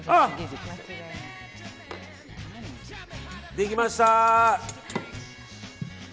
できました。